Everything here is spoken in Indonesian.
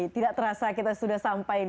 tidak terasa kita sudah sampai